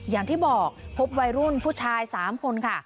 อย่างที่บอกพบวัยรุ่นผู้ชาย๓คนค่ะ